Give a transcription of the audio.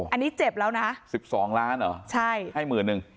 อันนี้เจ็บแล้วนะ๑๒ล้านเหรอใช่ให้หมื่นหนึ่ง